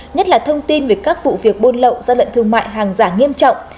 nhất là thông tin về các vụ việc buôn lậu gian lận thương mại hàng giả nghiêm trọng